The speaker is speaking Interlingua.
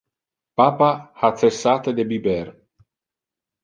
Papa ha cessate de biber.